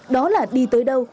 đó là đi tới đâu